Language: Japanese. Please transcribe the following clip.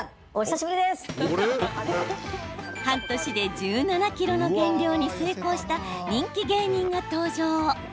半年で１７ｋｇの減量に成功した人気芸人が登場。